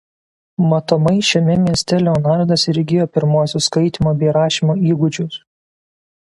Matomai šiame mieste Leonardas ir įgijo pirmuosius skaitymo bei rašymo įgūdžius.